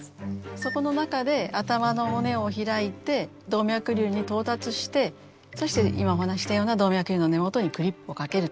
そこの中で頭の骨を開いて動脈瘤に到達してそして今お話ししたような動脈瘤の根元にクリップをかけると。